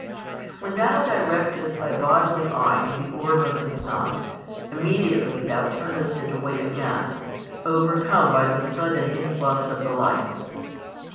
When thou di rectest thy bodily eye to the orb of the sun, immediately thou turnest it away again, overcome by the sudden influx of the light.